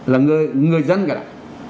là người dân kia